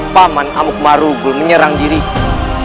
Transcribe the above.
paman amuk maruku menyerang diriku